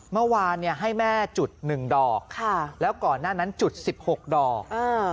เมื่อวานเนี่ยให้แม่จุดหนึ่งดอกค่ะแล้วก่อนหน้านั้นจุดสิบหกดอกเออ